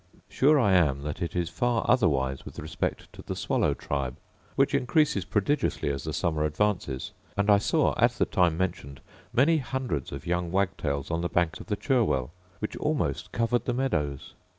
Sure I am that it is far otherwise with respect to the swallow tribe, which increases prodigiously as the summer advances: and I saw, at the time mentioned, many hundreds of young wagtails on the banks of the Cherwell, which almost covered the meadows.